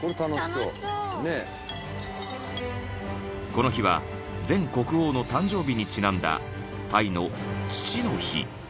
［この日は前国王の誕生日にちなんだタイの］